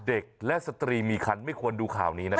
เด็กและสตรีมีคันไม่ควรดูข่าวนี้นะ